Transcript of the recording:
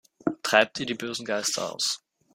Treibt ihr die bösen Geister aus!